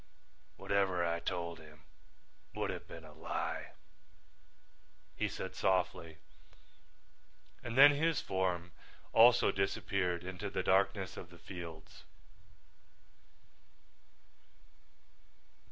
Whatever I told him would have been a lie," he said softly, and then his form also disappeared into the darkness of the fields.